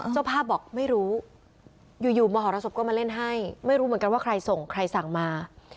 เจ้าภาพบอกไม่รู้อยู่อยู่มหรสบก็มาเล่นให้ไม่รู้เหมือนกันว่าใครส่งใครสั่งมา